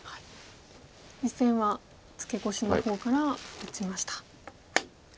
実戦はツケコシの方から打ちました。